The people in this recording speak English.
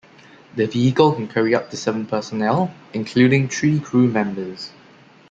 The vehicle can carry up to seven personnel, including three crew members.